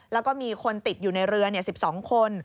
แล้วก็มีคนติดอยู่ในเรือ๑๒คน